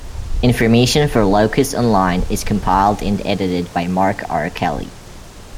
Information for Locus Online is compiled and edited by Mark R. Kelly.